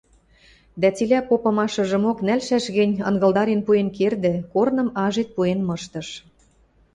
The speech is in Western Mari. Дӓ цилӓ попымашыжымок нӓлшӓш гӹнь, ынгылдарен пуэн кердӹ, корным ажед пуэн мыштыш.